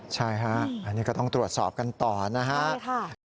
ใช่ฮะอันนี้ก็ต้องตรวจสอบกันต่อนะครับ